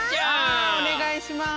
おねがいします。